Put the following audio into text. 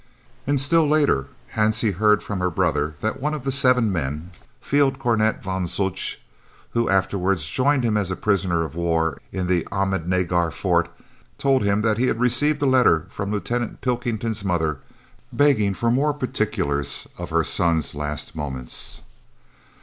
And still later Hansie heard from her brother that one of the seven men, Field cornet von Zulch, who afterwards joined him as prisoner of war in the Ahmednagar Fort, told him that he had received a letter from Lieutenant Pilkington's mother, begging for more particulars of her son's last moments.